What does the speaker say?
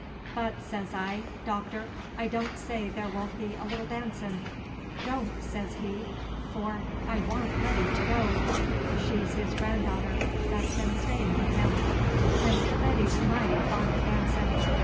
'But,' says I, 'Doctor, I don't say there won't be a little dancin'.' 'Don't!' says he, 'for I want Letty to go,' (she's his granddaughter that's been stayin' with him,) 'and Letty 's mighty fond of dancin'.